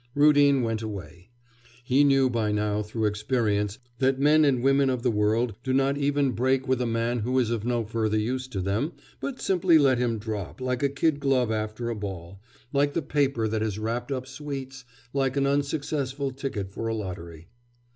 Rudin went away. He knew by now through experience that men and women of the world do not even break with a man who is of no further use to them, but simply let him drop, like a kid glove after a ball, like the paper that has wrapped up sweets, like an unsuccessful ticket for a lottery.